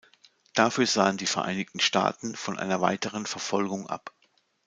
Dafür sahen die Vereinigten Staaten von einer weiteren Verfolgung ab.